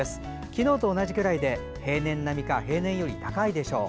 昨日と同じくらいで平年並みか平年より高いでしょう。